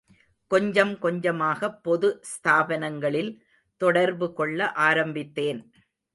கொஞ்சம் கொஞ்சமாகப் பொது ஸ்தாபனங்களில் தொடர்பு கொள்ள ஆரம்பித்தேன்.